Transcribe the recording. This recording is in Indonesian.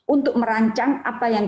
untuk merancang apa yang